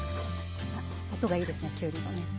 音がいいですねきゅうりのね。